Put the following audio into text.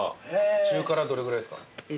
中辛はどれぐらいですか？